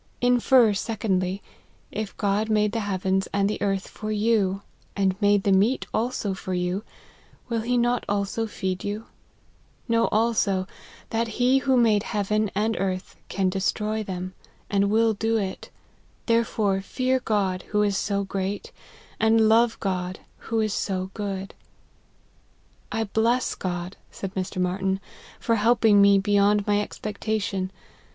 Infer secondly, if God made the heavens and the earth for you, and made the meat also for you, will he not also feed you ? Know also, that he that made heaven and earth can destroy them ; and will do it ; there fore fear God, who is so great ; and love God, who is so good." " I bless God," said Mr. Marty n, " for helping me, beyond my expectation.